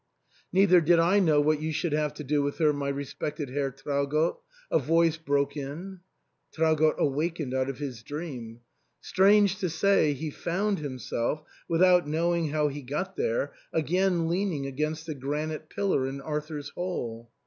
" Neither did I know what you should have to do with her, my respected Herr Traugott," a voice broke in. Traugott awakened out of his dream. Strange to say, he found himself, without knowing how he got there, again leaning against the granite pillar in Arthur's Hall.